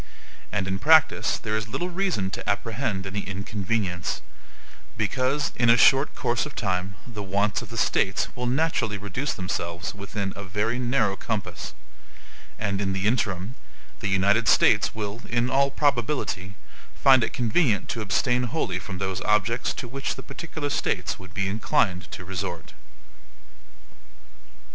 And in practice there is little reason to apprehend any inconvenience; because, in a short course of time, the wants of the States will naturally reduce themselves within A VERY NARROW COMPASS; and in the interim, the United States will, in all probability, find it convenient to abstain wholly from those objects to which the particular States would be inclined to resort.